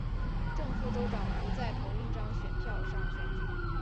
正副州长不在同一张选票上选举。